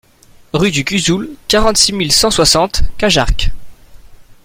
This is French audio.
Rue du Cuzoul, quarante-six mille cent soixante Cajarc